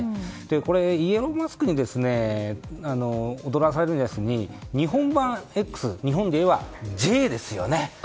これ、イーロン・マスクに踊らされずに日本版Ｘ日本でいえばＪですよね。